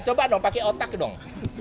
coba dong pakai otak dong